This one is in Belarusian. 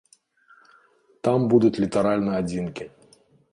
Там будуць літаральна адзінкі.